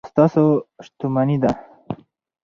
دا ستاسو شتمني ده.